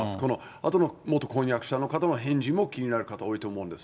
あとは元婚約者の方の返事も気になる方多いと思うんです。